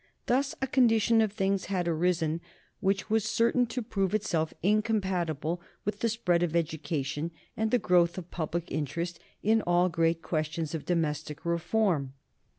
Thus a condition of things had arisen which was certain to prove itself incompatible with the spread of education and the growth of public interest in all great questions of domestic reform.